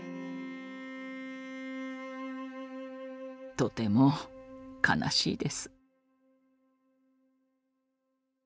とても悲しいです。